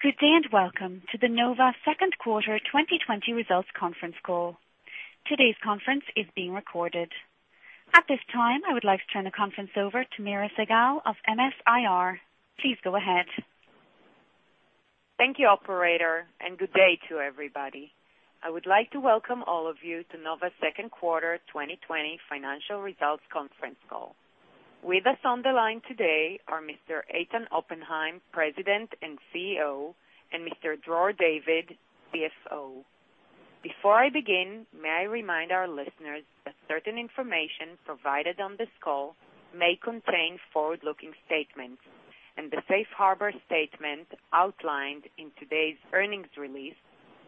Good day, and welcome to the Nova Q2 2020 results conference call. Today's conference is being recorded. At this time, I would like to turn the conference over to Miri Segal of MS-IR. Please go ahead. Thank you, operator, and good day to everybody. I would like to welcome all of you to Nova's Q2 2020 financial results conference call. With us on the line today are Mr. Eitan Oppenheim, President and CEO, and Mr. Dror David, CFO. Before I begin, may I remind our listeners that certain information provided on this call may contain forward-looking statements. The safe harbor statement outlined in today's earnings release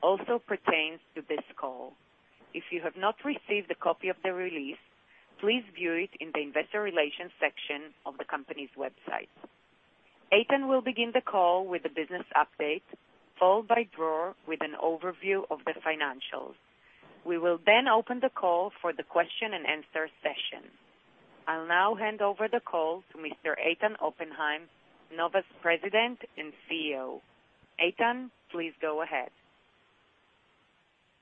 also pertains to this call. If you have not received a copy of the release, please view it in the investor relations section of the company's website. Eitan will begin the call with a business update, followed by Dror with an overview of the financials. We will open the call for the question and answer session. I'll now hand over the call to Mr. Eitan Oppenheim, Nova's President and CEO. Eitan, please go ahead.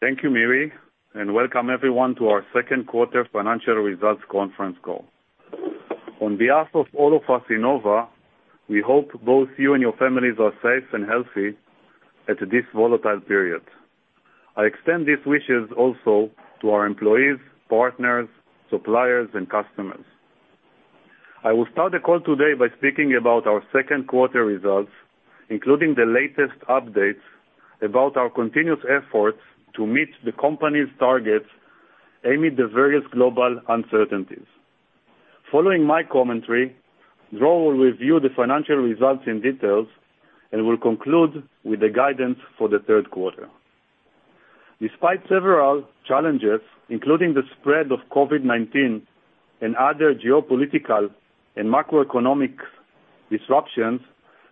Thank you, Miri, and welcome everyone to our Q2 financial results conference call. On behalf of all of us in Nova, we hope both you and your families are safe and healthy at this volatile period. I extend these wishes also to our employees, partners, suppliers, and customers. I will start the call today by speaking about our Q2 results, including the latest updates about our continuous efforts to meet the company's targets amid the various global uncertainties. Following my commentary, Dror will review the financial results in detail and will conclude with the guidance for the Q3. Despite several challenges, including the spread of COVID-19 and other geopolitical and macroeconomic disruptions,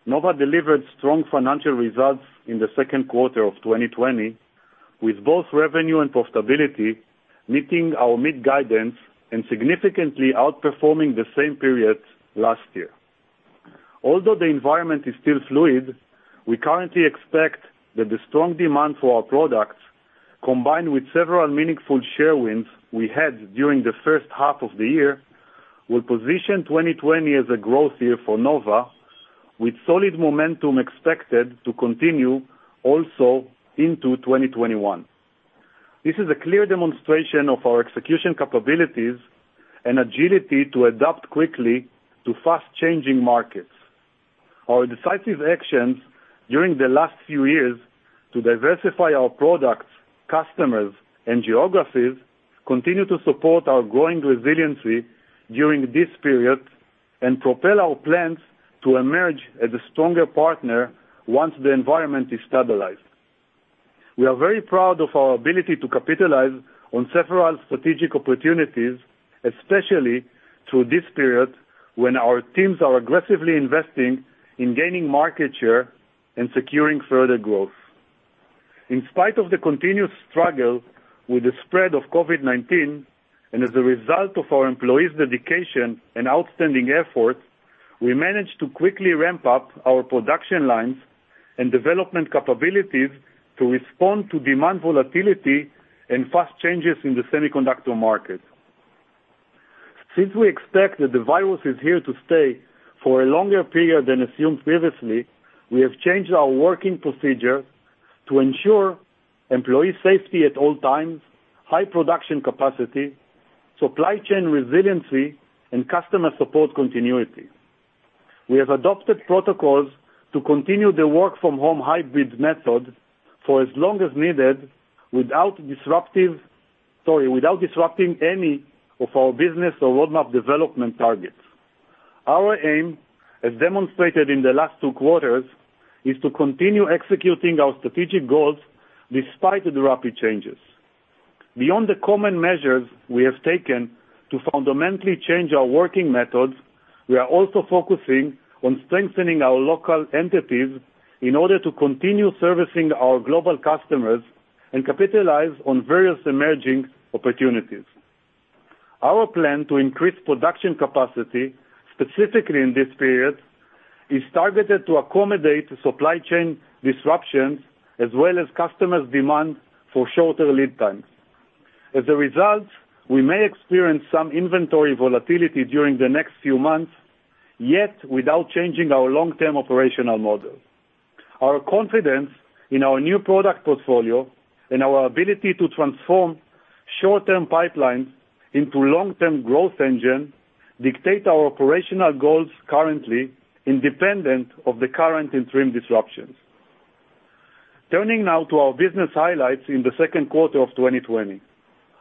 Nova delivered strong financial results in the Q2 of 2020, with both revenue and profitability meeting our mid-guidance and significantly outperforming the same period last year. Although the environment is still fluid, we currently expect that the strong demand for our products, combined with several meaningful share wins we had during the H1 of the year, will position 2020 as a growth year for Nova, with solid momentum expected to continue also into 2021. This is a clear demonstration of our execution capabilities and agility to adapt quickly to fast-changing markets. Our decisive actions during the last few years to diversify our products, customers, and geographies continue to support our growing resiliency during this period and propel our plans to emerge as a stronger partner once the environment is stabilized. We are very proud of our ability to capitalize on several strategic opportunities, especially through this period when our teams are aggressively investing in gaining market share and securing further growth. In spite of the continued struggle with the spread of COVID-19, and as a result of our employees' dedication and outstanding effort, we managed to quickly ramp up our production lines and development capabilities to respond to demand volatility and fast changes in the semiconductor market. Since we expect that the virus is here to stay for a longer period than assumed previously, we have changed our working procedure to ensure employee safety at all times, high production capacity, supply chain resiliency, and customer support continuity. We have adopted protocols to continue the work-from-home hybrid method for as long as needed without disrupting any of our business or roadmap development targets. Our aim, as demonstrated in the last two quarters, is to continue executing our strategic goals despite the rapid changes. Beyond the common measures we have taken to fundamentally change our working methods, we are also focusing on strengthening our local entities in order to continue servicing our global customers and capitalize on various emerging opportunities. Our plan to increase production capacity, specifically in this period, is targeted to accommodate supply chain disruptions as well as customers' demand for shorter lead times. As a result, we may experience some inventory volatility during the next few months, yet without changing our long-term operational model. Our confidence in our new product portfolio and our ability to transform short-term pipelines into long-term growth engine dictate our operational goals currently, independent of the current interim disruptions. Turning now to our business highlights in the Q2 of 2020.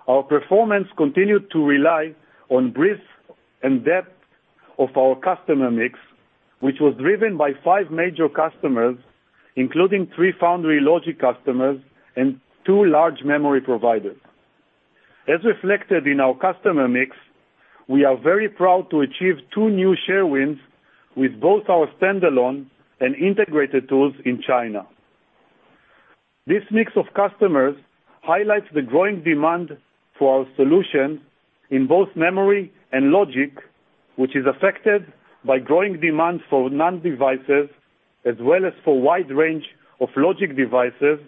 Our performance continued to rely on breadth and depth of our customer mix, which was driven by five major customers, including three foundry logic customers and two large memory providers. As reflected in our customer mix, we are very proud to achieve two new share wins with both our standalone and integrated tools in China. This mix of customers highlights the growing demand for our solution in both memory and logic, which is affected by growing demand for NAND devices, as well as for wide range of logic devices,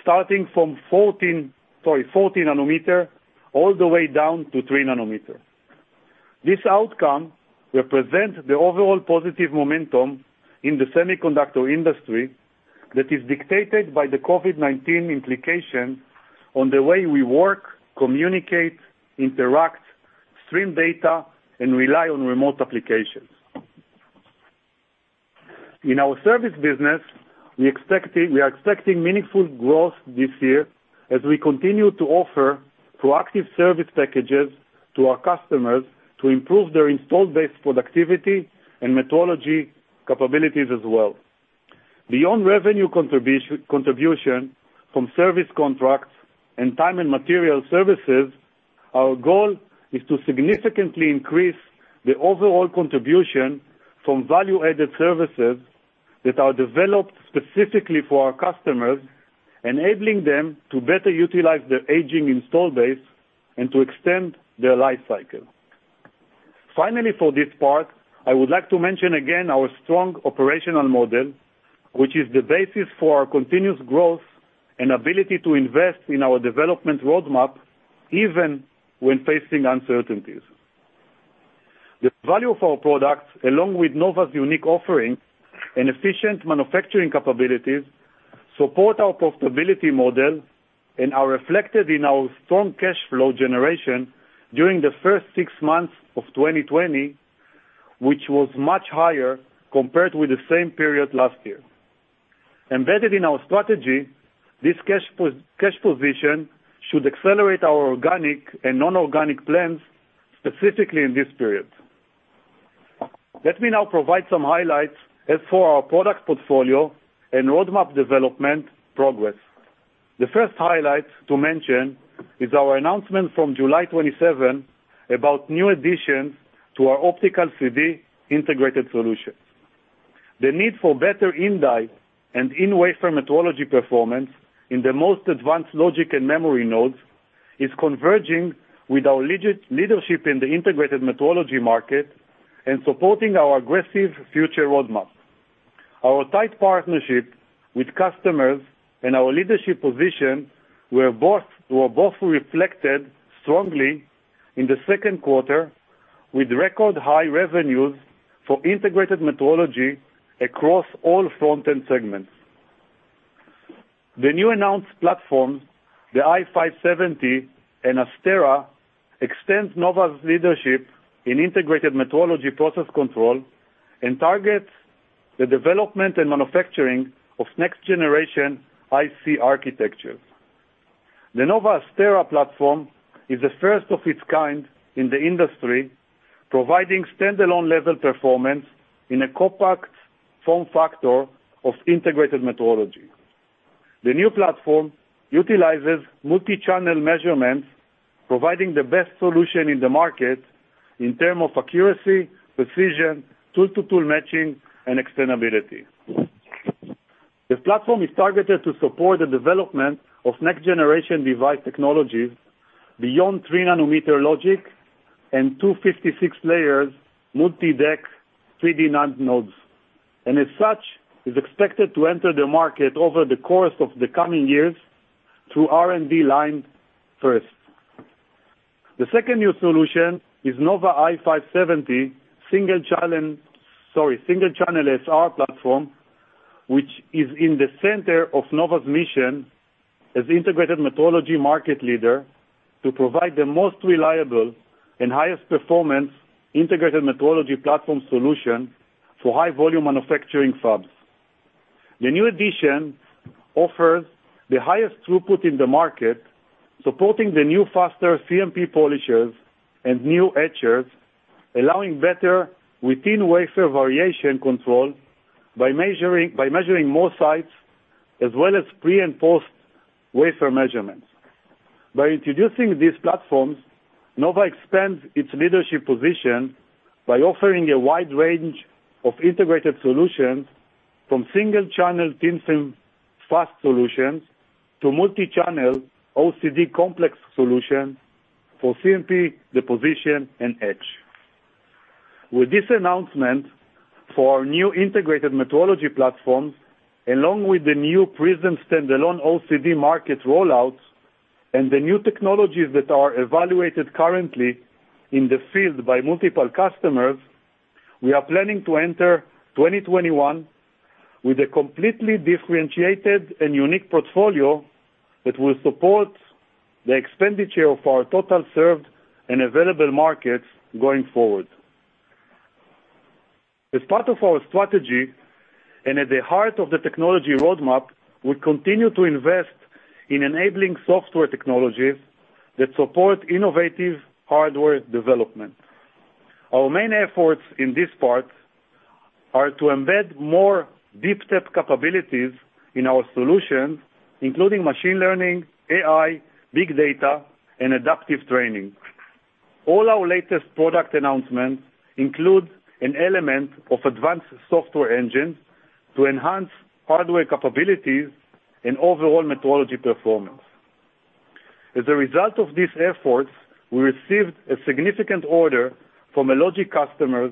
starting from 40 nanometer all the way down to three nanometer. This outcome represents the overall positive momentum in the semiconductor industry that is dictated by the COVID-19 implication on the way we work, communicate, interact, stream data, and rely on remote applications. In our service business, we are expecting meaningful growth this year as we continue to offer proactive service packages to our customers to improve their installed base productivity and metrology capabilities as well. Beyond revenue contribution from service contracts and time and material services, our goal is to significantly increase the overall contribution from value-added services that are developed specifically for our customers, enabling them to better utilize their aging installed base and to extend their life cycle. Finally, for this part, I would like to mention again our strong operational model, which is the basis for our continuous growth and ability to invest in our development roadmap, even when facing uncertainties. The value of our products, along with Nova's unique offering and efficient manufacturing capabilities, support our profitability model and are reflected in our strong cash flow generation during the first six months of 2020, which was much higher compared with the same period last year. Embedded in our strategy, this cash position should accelerate our organic and non-organic plans, specifically in this period. Let me now provide some highlights as for our product portfolio and roadmap development progress. The first highlight to mention is our announcement from July 27 about new additions to our optical CD integrated solutions. The need for better in-die and in-wafer metrology performance in the most advanced logic and memory nodes is converging with our leadership in the integrated metrology market and supporting our aggressive future roadmap. Our tight partnership with customers and our leadership position were both reflected strongly in the Q2 with record-high revenues for integrated metrology across all front-end segments. The new announced platforms, the i570 and ASTERA, extend Nova's leadership in integrated metrology process control and targets the development and manufacturing of next-generation IC architectures. The Nova ASTERA platform is the first of its kind in the industry, providing standalone level performance in a compact form factor of integrated metrology. The new platform utilizes multi-channel measurements, providing the best solution in the market in term of accuracy, precision, tool-to-tool matching, and extensibility. This platform is targeted to support the development of next-generation device technologies beyond three nanometer logic and 256 layers multi-deck 3D NAND nodes. As such, is expected to enter the market over the course of the coming years through R&D line first. The second new solution is Nova i570 single-channel SR platform, which is in the center of Nova's mission as integrated metrology market leader to provide the most reliable and highest performance integrated metrology platform solution for high volume manufacturing fabs. The new addition offers the highest throughput in the market, supporting the new faster CMP polishers and new etchers, allowing better within-wafer variation control by measuring more sites as well as pre- and post-wafer measurements. By introducing these platforms, Nova expands its leadership position by offering a wide range of integrated solutions from single-channel TFSIM fast solutions to multi-channel OCD complex solutions for CMP, deposition, and etch. With this announcement for our new integrated metrology platforms, along with the new PRISM standalone OCD market rollouts and the new technologies that are evaluated currently in the field by multiple customers, we are planning to enter 2021 with a completely differentiated and unique portfolio that will support the expenditure of our total served and available markets going forward. As part of our strategy, and at the heart of the technology roadmap, we continue to invest in enabling software technologies that support innovative hardware development. Our main efforts in this part are to embed more deep tech capabilities in our solutions, including machine learning, AI, big data, and adaptive training. All our latest product announcements include an element of advanced software engine to enhance hardware capabilities and overall metrology performance. As a result of these efforts, we received a significant order from a logic customer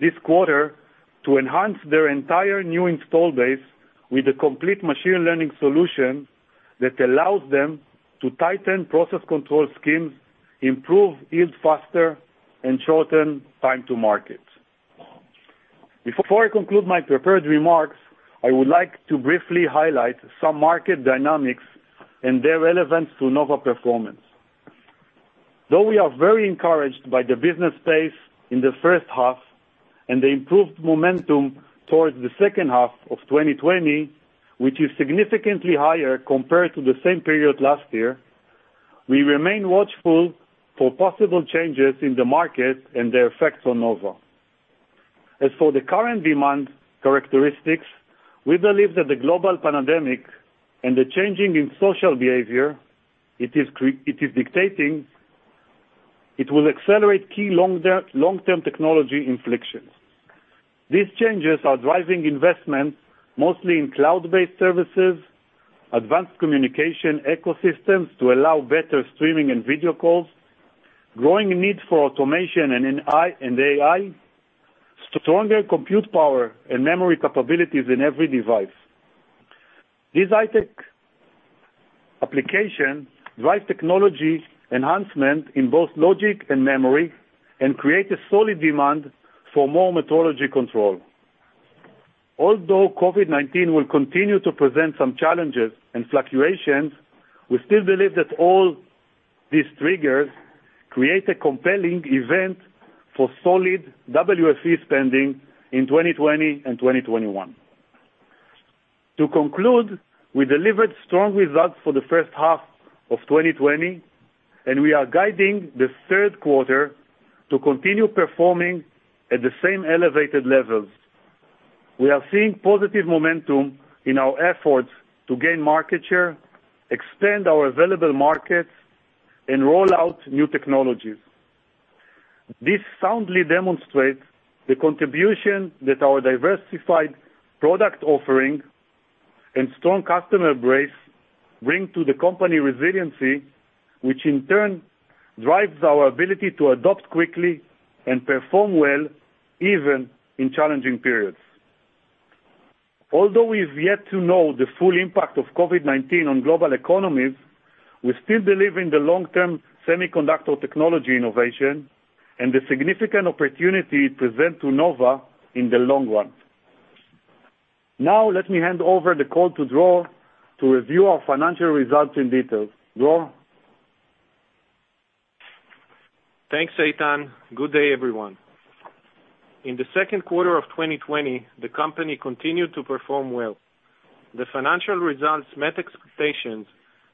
this quarter to enhance their entire new install base with a complete machine learning solution that allows them to tighten process control schemes, improve yield faster, and shorten time to market. Before I conclude my prepared remarks, I would like to briefly highlight some market dynamics and their relevance to Nova performance. Though we are very encouraged by the business pace in the H1 and the improved momentum towards the H2 of 2020, which is significantly higher compared to the same period last year, we remain watchful for possible changes in the market and their effects on Nova. As for the current demand characteristics, we believe that the global pandemic and the changing in social behavior it is dictating, it will accelerate key long-term technology inflections. These changes are driving investment mostly in cloud-based services, advanced communication ecosystems to allow better streaming and video calls, growing need for automation and AI, stronger compute power and memory capabilities in every device. These high-tech applications drive technology enhancement in both logic and memory and create a solid demand for more metrology control. Although COVID-19 will continue to present some challenges and fluctuations, we still believe that all these triggers create a compelling event for solid WFE spending in 2020 and 2021. To conclude, we delivered strong results for the H1 of 2020, and we are guiding the Q3 to continue performing at the same elevated levels. We are seeing positive momentum in our efforts to gain market share, expand our available markets, and roll out new technologies. This soundly demonstrates the contribution that our diversified product offering and strong customer base bring to the company resiliency, which in turn drives our ability to adopt quickly and perform well, even in challenging periods. Although we've yet to know the full impact of COVID-19 on global economies, we still believe in the long-term semiconductor technology innovation and the significant opportunity it present to Nova in the long run. Now, let me hand over the call to Dror to review our financial results in detail. Dror? Thanks, Eitan. Good day, everyone. In the Q2 of 2020, the company continued to perform well. The financial results met expectations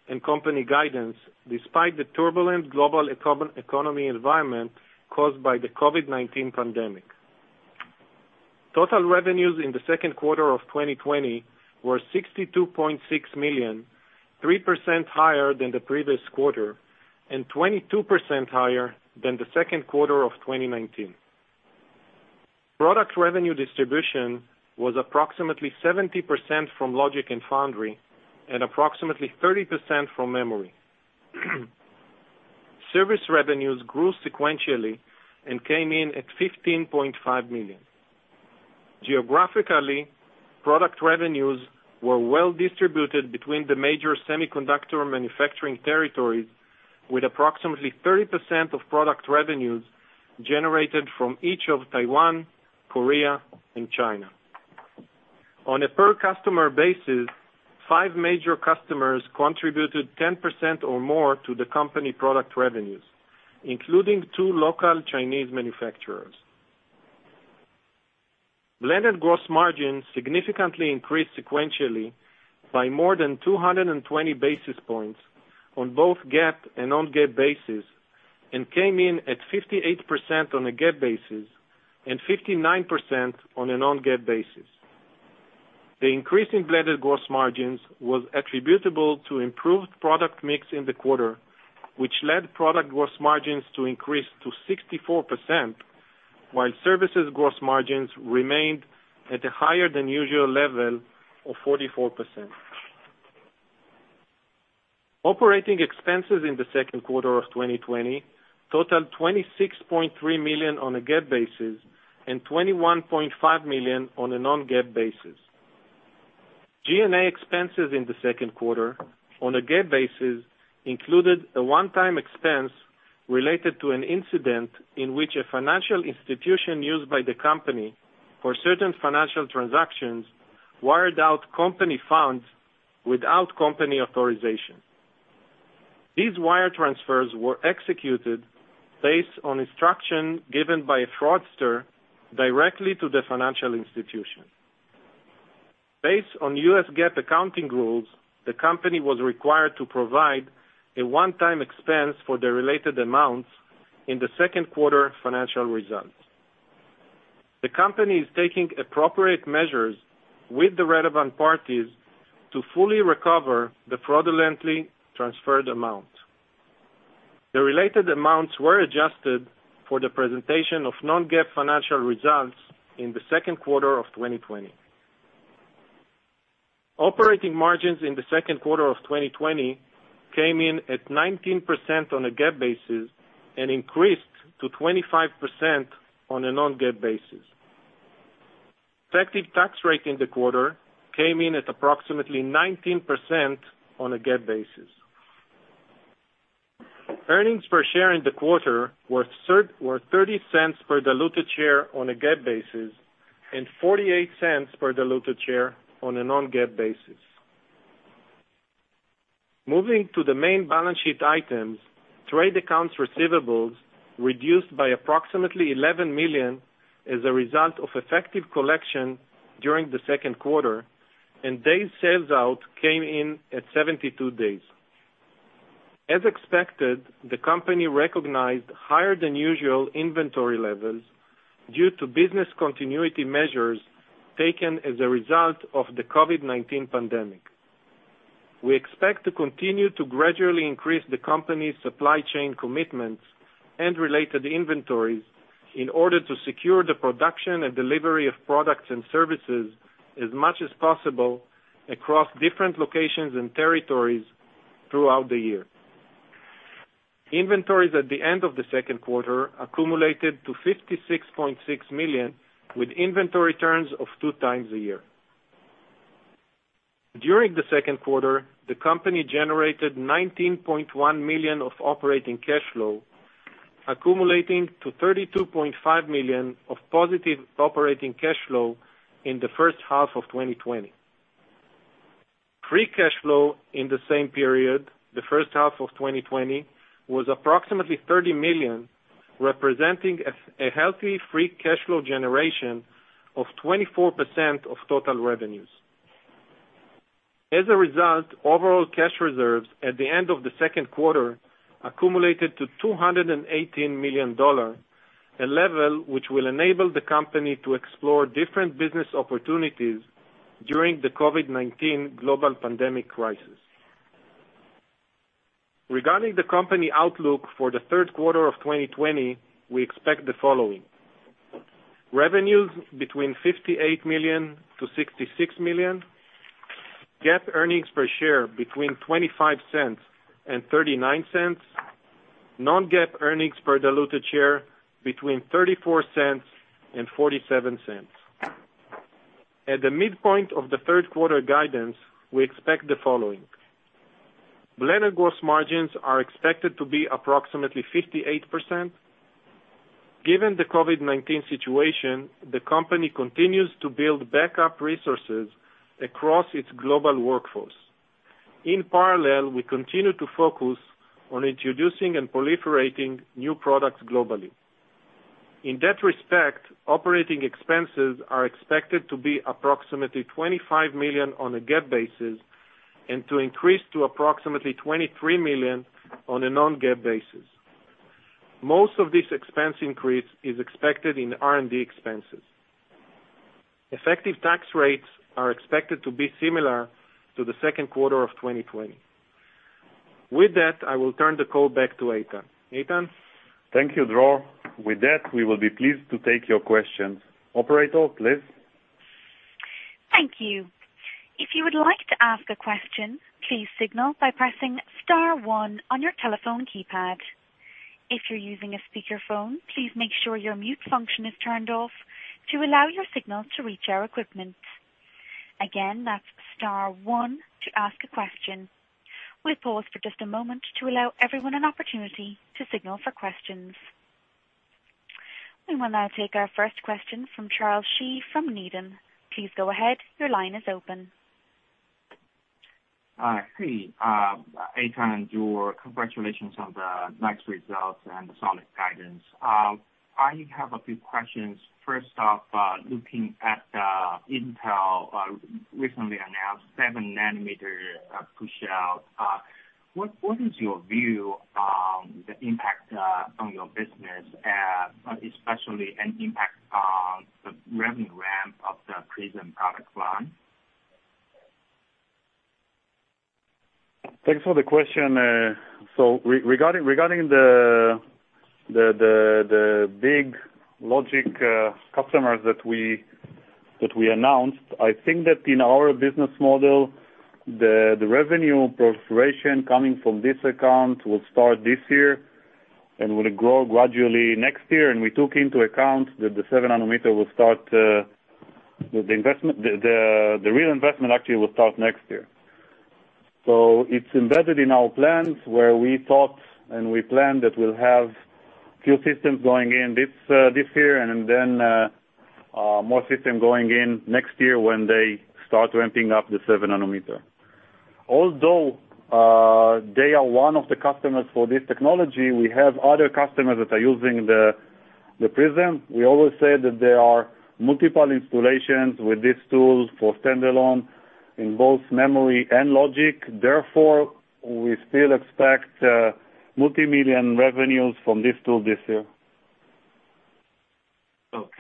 and company guidance, despite the turbulent global economy environment caused by the COVID-19 pandemic. Total revenues in the Q2 of 2020 were $62.6 million, 3% higher than the previous quarter and 22% higher than the Q2 of 2019. Product revenue distribution was approximately 70% from logic and foundry and approximately 30% from memory. Service revenues grew sequentially and came in at $15.5 million. Geographically, product revenues were well-distributed between the major semiconductor manufacturing territories, with approximately 30% of product revenues generated from each of Taiwan, Korea, and China. On a per customer basis, five major customers contributed 10% or more to the company product revenues, including two local Chinese manufacturers. Blended gross margin significantly increased sequentially by more than 220 basis points on both GAAP and non-GAAP basis and came in at 58% on a GAAP basis and 59% on a non-GAAP basis. The increase in blended gross margins was attributable to improved product mix in the quarter, which led product gross margins to increase to 64%, while services gross margins remained at a higher than usual level of 44%. Operating expenses in the Q2 of 2020 totaled $26.3 million on a GAAP basis and $21.5 million on a non-GAAP basis. G&A expenses in the Q2 on a GAAP basis included a one-time expense related to an incident in which a financial institution used by the company for certain financial transactions wired out company funds without company authorization. These wire transfers were executed based on instruction given by a fraudster directly to the financial institution. Based on US GAAP accounting rules, the company was required to provide a one-time expense for the related amounts in the Q2 financial results. The company is taking appropriate measures with the relevant parties to fully recover the fraudulently transferred amount. The related amounts were adjusted for the presentation of non-GAAP financial results in the Q2 of 2020. Operating margins in the Q2 of 2020 came in at 19% on a GAAP basis and increased to 25% on a non-GAAP basis. Effective tax rate in the quarter came in at approximately 19% on a GAAP basis. Earnings per share in the quarter were $0.30 per diluted share on a GAAP basis and $0.48 per diluted share on a non-GAAP basis. Moving to the main balance sheet items, trade accounts receivables reduced by approximately $11 million as a result of effective collection during the Q2, and day sales out came in at 72 days. As expected, the company recognized higher than usual inventory levels due to business continuity measures taken as a result of the COVID-19 pandemic. We expect to continue to gradually increase the company's supply chain commitments and related inventories in order to secure the production and delivery of products and services as much as possible across different locations and territories throughout the year. Inventories at the end of the Q2 accumulated to $56.6 million, with inventory turns of two times a year. During the Q2, the company generated $19.1 million of operating cash flow, accumulating to $32.5 million of positive operating cash flow in the H1 of 2020. Free cash flow in the same period, the H1 of 2020, was approximately $30 million, representing a healthy free cash flow generation of 24% of total revenues. As a result, overall cash reserves at the end of the Q2 accumulated to $218 million, a level which will enable the company to explore different business opportunities during the COVID-19 global pandemic crisis. Regarding the company outlook for the Q3 of 2020, we expect the following. Revenues between $58 million-$66 million, GAAP earnings per share between $0.25 and $0.39, non-GAAP earnings per diluted share between $0.34 and $0.47. At the midpoint of the Q3 guidance, we expect the following. Blended gross margins are expected to be approximately 58%. Given the COVID-19 situation, the company continues to build backup resources across its global workforce. In parallel, we continue to focus on introducing and proliferating new products globally. In that respect, operating expenses are expected to be approximately $25 million on a GAAP basis and to increase to approximately $23 million on a non-GAAP basis. Most of this expense increase is expected in R&D expenses. Effective tax rates are expected to be similar to the Q2 of 2020. With that, I will turn the call back to Eitan. Eitan? Thank you, Dror. With that, we will be pleased to take your questions. Operator, please. Thank you. If you would like to ask a question, please signal by pressing star one on your telephone keypad. If you're using a speakerphone, please make sure your mute function is turned off to allow your signal to reach our equipment. Again, that's star one to ask a question. We'll pause for just a moment to allow everyone an opportunity to signal for questions. We will now take our first question from Charles Shi from Needham. Please go ahead. Your line is open. Hi. Eitan, Dror, congratulations on the next results and the solid guidance. I have a few questions. First off, looking at Intel recently announced seven nanometer pushout. What is your view on the impact on your business, especially an impact on the revenue ramp of the PRISM product line? Thanks for the question. Regarding the big logic customers that we announced, I think that in our business model, the revenue proliferation coming from this account will start this year and will grow gradually next year. We took into account that the seven nanometer, the real investment actually will start next year. It's embedded in our plans where we thought and we planned that we'll have few systems going in this year and then more system going in next year when they start ramping up the seven nanometer. Although they are one of the customers for this technology, we have other customers that are using the PRISM. We always say that there are multiple installations with these tools for standalone in both memory and logic. Therefore, we still expect multi-million revenues from this tool this year. Okay.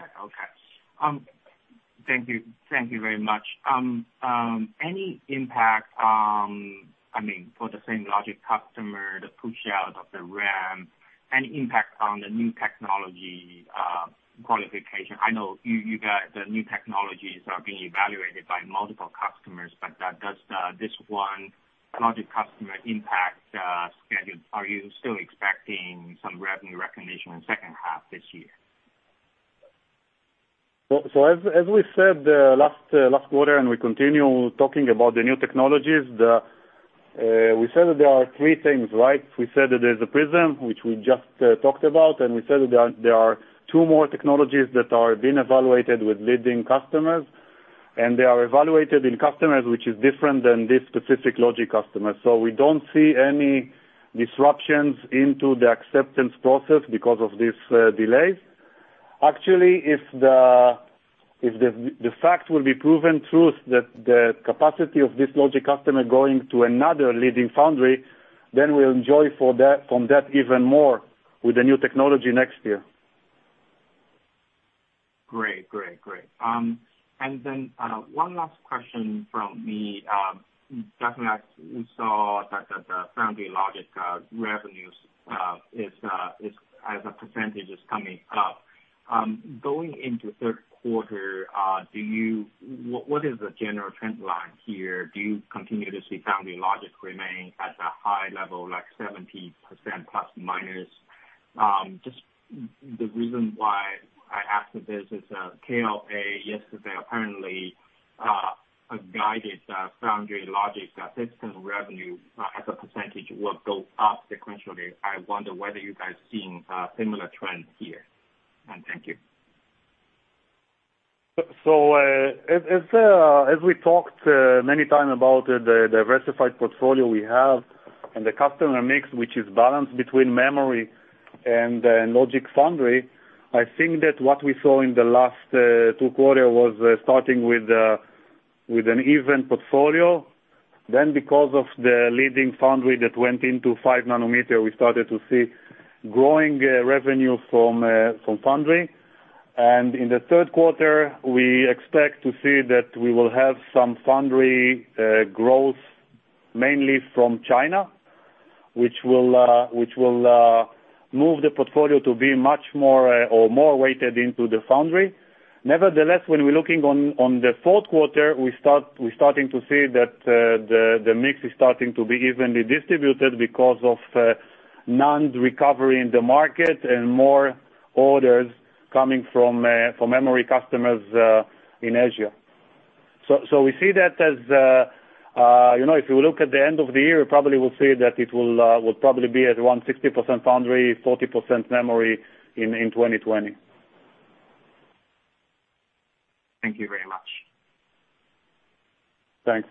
Thank you very much. Any impact, for the same logic customer, the push out of the ramp, any impact on the new technology qualification? I know you guys, the new technologies are being evaluated by multiple customers, but does this one logic customer impact schedules? Are you still expecting some revenue recognition in the H2 this year? As we said last quarter, and we continue talking about the new technologies, we said that there are three things, right? We said that there's a PRISM, which we just talked about, and we said that there are two more technologies that are being evaluated with leading customers, and they are evaluated in customers, which is different than this specific logic customer. We don't see any disruptions into the acceptance process because of these delays. Actually, if the fact will be proven true that the capacity of this logic customer going to another leading foundry, then we'll enjoy from that even more with the new technology next year. Great. Then one last question from me. Definitely, we saw that the foundry logic revenues as a percentage is coming up. Going into Q3, what is the general trend line here? Do you continue to see foundry logic remain at a high level, like 70%±? Just the reason why I asked this is, KLA yesterday apparently guided foundry logic system revenue as a percentage will go up sequentially. I wonder whether you guys are seeing similar trends here. Thank you. As we talked many times about the diversified portfolio we have and the customer mix, which is balanced between memory and logic foundry, I think that what we saw in the last two quarter was starting with an even portfolio. Because of the leading foundry that went into five nanometer, we started to see growing revenue from foundry. In the Q3, we expect to see that we will have some foundry growth, mainly from China, which will move the portfolio to be much more or more weighted into the foundry. Nevertheless, when we're looking on the Q4, we're starting to see that the mix is starting to be evenly distributed because of NAND's recovery in the market and more orders coming from memory customers in Asia. We see that as, if you look at the end of the year, probably we'll see that it will probably be at around 60% foundry, 40% memory in 2020. Thank you very much. Thanks.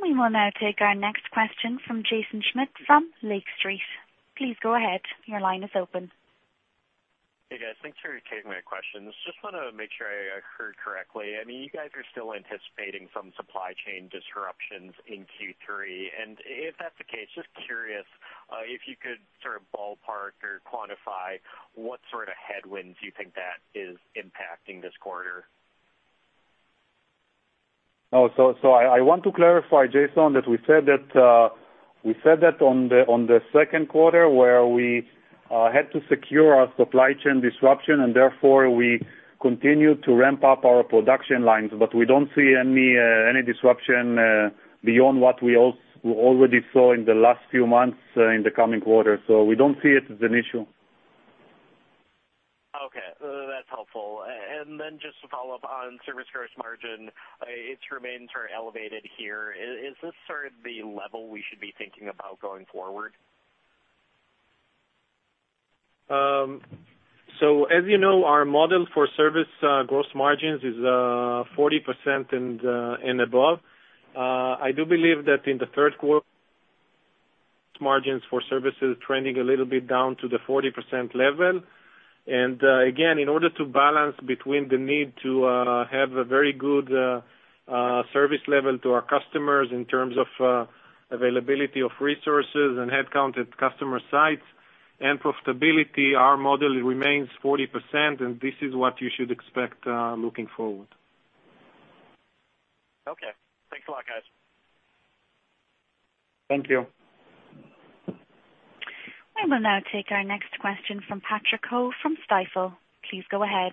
We will now take our next question from Jaeson Schmidt from Lake Street. Please go ahead. Your line is open. Hey, guys. Thanks for taking my questions. Just want to make sure I heard correctly. You guys are still anticipating some supply chain disruptions in Q3. If that's the case, just curious, if you could sort of ballpark or quantify what sort of headwinds you think that is impacting this quarter? I want to clarify, Jaeson, that we said that on the Q2 where we had to secure our supply chain disruption, and therefore we continued to ramp up our production lines. We don't see any disruption beyond what we already saw in the last few months in the coming quarter. We don't see it as an issue. Okay, that's helpful. Just to follow up on service gross margin, it remains elevated here. Is this sort of the level we should be thinking about going forward? As you know, our model for service gross margins is 40% and above. I do believe that in the Q3, margins for services trending a little bit down to the 40% level. Again, in order to balance between the need to have a very good service level to our customers in terms of availability of resources and headcount at customer sites and profitability, our model remains 40%, and this is what you should expect looking forward. Okay. Thanks a lot, guys. Thank you. We will now take our next question from Patrick Ho from Stifel. Please go ahead.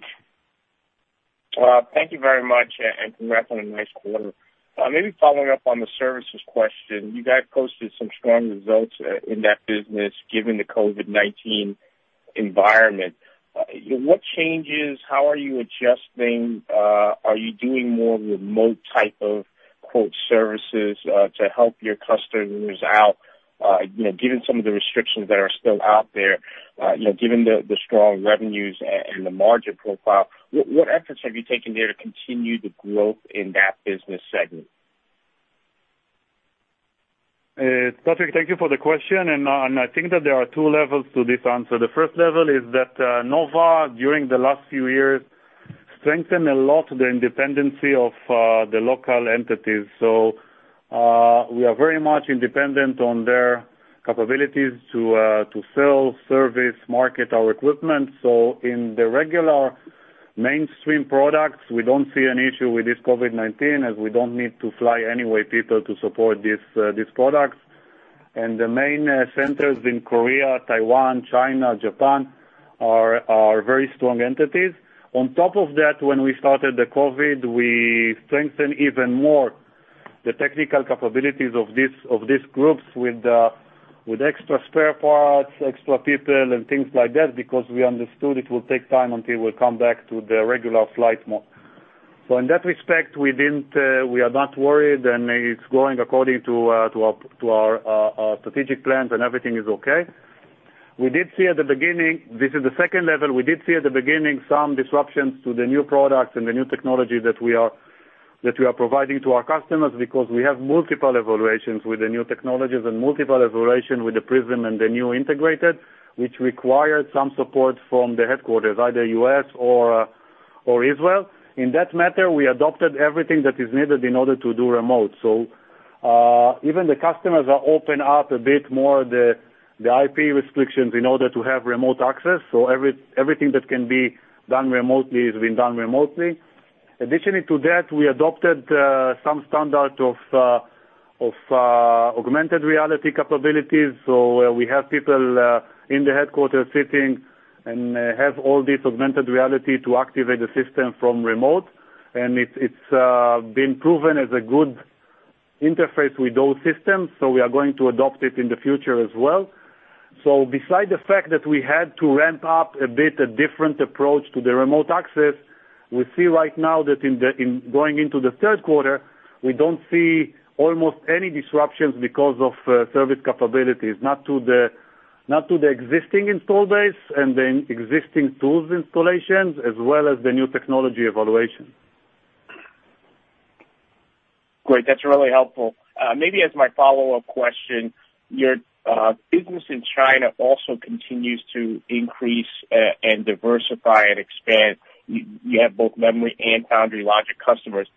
Thank you very much, and congrats on a nice quarter. Maybe following up on the services question, you guys posted some strong results in that business given the COVID-19 environment. What changes? How are you adjusting? Are you doing more remote type of "services" to help your customers out? Given some of the restrictions that are still out there, given the strong revenues and the margin profile, what efforts have you taken there to continue the growth in that business segment? Patrick, thank you for the question. I think that there are two levels to this answer. The first level is that Nova, during the last few years, strengthened a lot the independency of the local entities. We are very much independent on their capabilities to sell, service, market our equipment. In the regular mainstream products, we don't see an issue with this COVID-19 as we don't need to fly people to support these products. The main centers in Korea, Taiwan, China, Japan, are very strong entities. On top of that, when we started the COVID, we strengthened even more the technical capabilities of these groups with extra spare parts, extra people, and things like that, because we understood it will take time until we come back to the regular flight mode. In that respect, we are not worried, and it's going according to our strategic plans, and everything is okay. This is the level two. We did see at the beginning some disruptions to the new products and the new technology that we are providing to our customers because we have multiple evaluations with the new technologies and multiple evaluation with the PRISM and the new integrated, which required some support from the headquarters, either U.S. or Israel. In that matter, we adopted everything that is needed in order to do remote. Even the customers are open up a bit more the IP restrictions in order to have remote access. Everything that can be done remotely is being done remotely. Additionally to that, we adopted some standard of augmented reality capabilities. We have people in the headquarters sitting and have all this augmented reality to activate the system from remote, and it's been proven as a good interface with those systems. We are going to adopt it in the future as well. Beside the fact that we had to ramp up a bit a different approach to the remote access, we see right now that going into the Q3, we don't see almost any disruptions because of service capabilities, not to the existing install base and the existing tools installations as well as the new technology evaluation. Great. That's really helpful. Maybe as my follow-up question, your business in China also continues to increase and diversify and expand. You have both memory and foundry logic customers.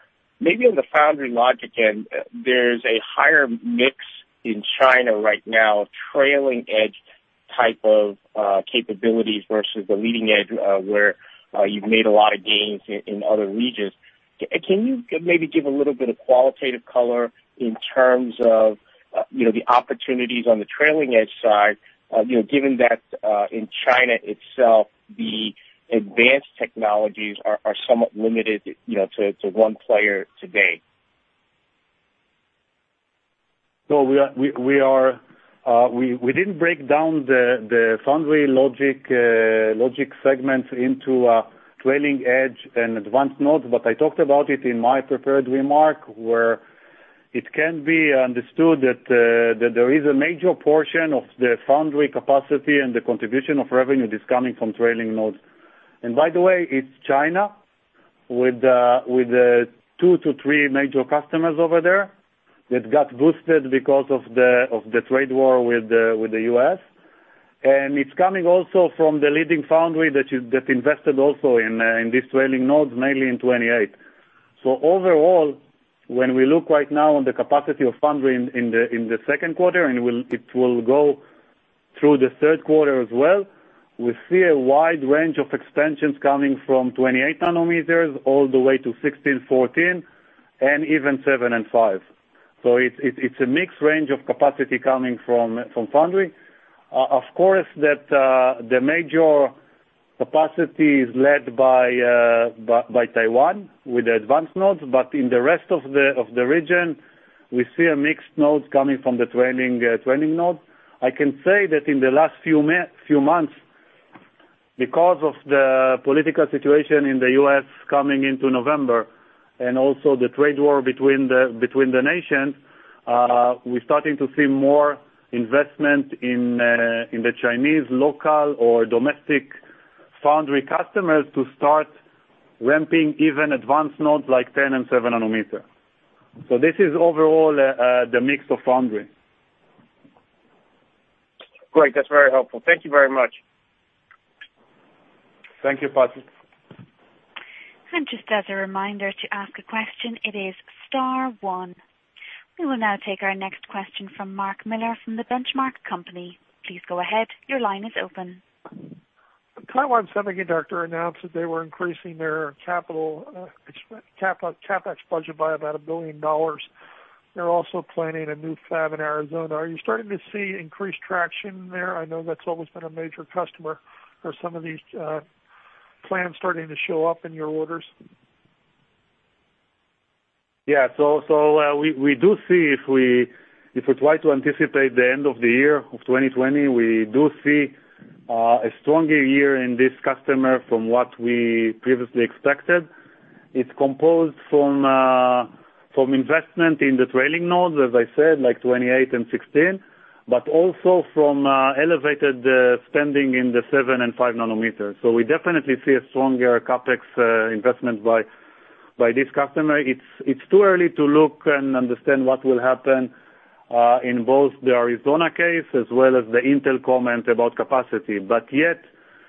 Maybe on the foundry logic end, there's a higher mix in China right now of trailing edge type of capabilities versus the leading edge, where you've made a lot of gains in other regions. Can you maybe give a little bit of qualitative color in terms of the opportunities on the trailing edge side, given that in China itself, the advanced technologies are somewhat limited to one player today? We didn't break down the foundry logic segments into a trailing edge and advanced node. I talked about it in my prepared remark, where it can be understood that there is a major portion of the foundry capacity and the contribution of revenue that's coming from trailing nodes. By the way, it's China with two to three major customers over there that got boosted because of the trade war with the U.S. It's coming also from the leading foundry that invested also in these trailing nodes, mainly in 28. Overall, when we look right now on the capacity of foundry in the Q2, and it will go through the Q3 as well, we see a wide range of expansions coming from 28 nanometers all the way to 16, 14, and even seven and five. It's a mixed range of capacity coming from foundry. Of course, the major capacity is led by Taiwan with the advanced nodes. In the rest of the region, we see a mixed node coming from the trailing node. I can say that in the last few months, because of the political situation in the U.S. coming into November and also the trade war between the nations, we're starting to see more investment in the Chinese local or domestic foundry customers to start ramping even advanced nodes like 10 and seven nanometer. This is overall the mix of foundry. Great. That's very helpful. Thank you very much. Thank you, Patrick. Just as a reminder, to ask a question, it is star one. We will now take our next question from Mark Miller from The Benchmark Company. Please go ahead. Your line is open. Taiwan Semiconductor announced that they were increasing their CapEx budget by about $1 billion. They're also planning a new fab in Arizona. Are you starting to see increased traction there? I know that's always been a major customer. Are some of these plans starting to show up in your orders? Yeah. If we try to anticipate the end of the year, of 2020, we do see a stronger year in this customer from what we previously expected. It's composed from investment in the trailing nodes, as I said, like 28 and 16, but also from elevated spending in the seven and five nanometers. We definitely see a stronger CapEx investment by this customer, it's too early to look and understand what will happen in both the Arizona case as well as the Intel comment about capacity. Yet,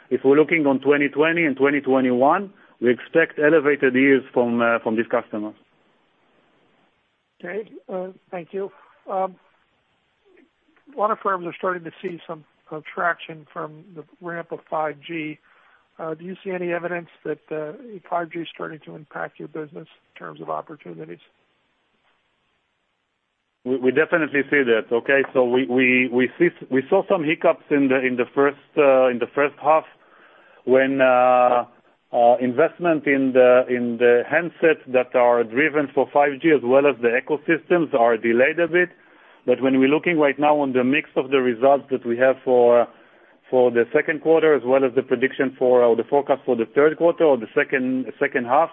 if we're looking on 2020 and 2021, we expect elevated years from these customers. Okay, thank you. A lot of firms are starting to see some traction from the ramp of 5G. Do you see any evidence that 5G is starting to impact your business in terms of opportunities? We definitely see that, okay? We saw some hiccups in the H1 when investment in the handsets that are driven for 5G as well as the ecosystems are delayed a bit. When we're looking right now on the mix of the results that we have for the Q2 as well as the prediction for the forecast for the Q3 or the H2,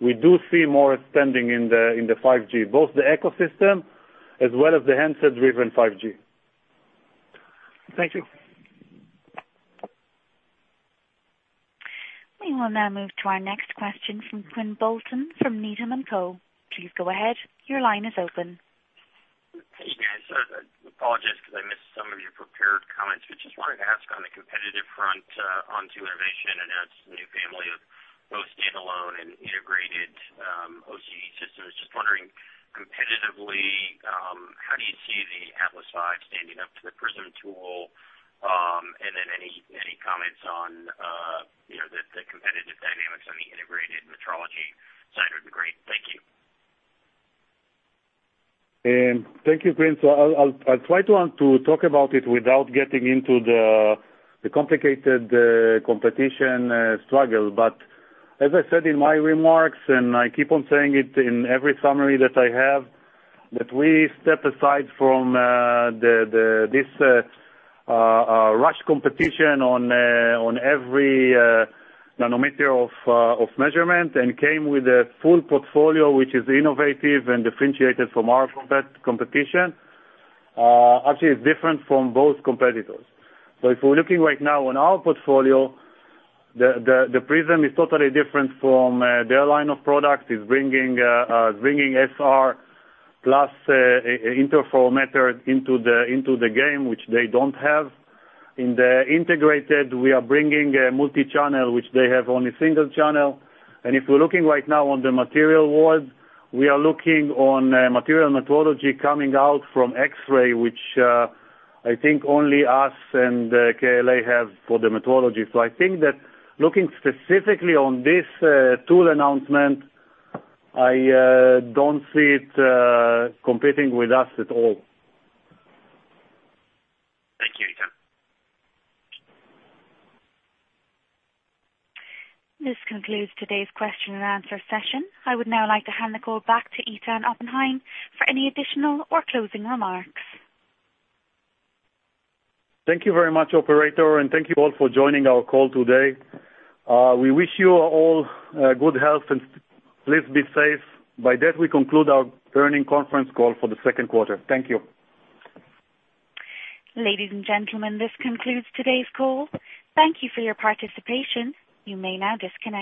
we do see more spending in the 5G, both the ecosystem as well as the handset-driven 5G. Thank you. We will now move to our next question from Quinn Bolton from Needham & Co. Please go ahead. Your line is open. Hey, guys. I apologize because I missed some of your prepared comments. Just wanted to ask on the competitive front, Onto Innovation, announced a new family of both standalone and integrated OCD systems. Just wondering, competitively, how do you see the Atlas 5 standing up to the PRISM tool? Any comments on the competitive dynamics on the integrated metrology side or? Thank you. Thank you, Quinn. I'll try to talk about it without getting into the complicated competition struggle. As I said in my remarks, and I keep on saying it in every summary that I have, that we step aside from this rush competition on every nanometer of measurement and came with a full portfolio, which is innovative and differentiated from our competition. Actually, it's different from both competitors. If we're looking right now on our portfolio, the PRISM is totally different from their line of products. It's bringing SR plus interferometers into the game, which they don't have. In the integrated, we are bringing a multi-channel, which they have only single channel. If we're looking right now on the material world, we are looking on material metrology coming out from X-ray, which I think only us and KLA have for the metrology. I think that looking specifically on this tool announcement, I don't see it competing with us at all. Thank you, Eitan. This concludes today's question and answer session. I would now like to hand the call back to Eitan Oppenheim for any additional or closing remarks. Thank you very much, operator, thank you all for joining our call today. We wish you all good health, and please be safe. By that, we conclude our earnings conference call for the Q2. Thank you. Ladies and gentlemen, this concludes today's call. Thank you for your participation. You may now disconnect.